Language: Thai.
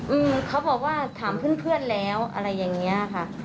อืมเขาบอกว่าถามเพื่อนเพื่อนแล้วอะไรอย่างเงี้ยค่ะ